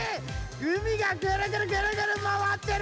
うみがぐるぐるぐるぐるまわってる！